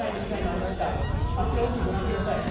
あちら奥、ご覧ください。